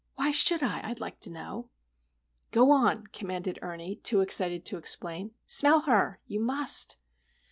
"Why should I, I'd like to know?" "Go on," commanded Ernie, too excited to explain. "Smell her! You must!"